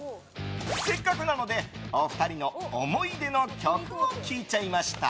せっかくなのでお二人の思い出の曲を聞いちゃいました。